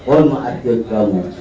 on ma'at yut kamu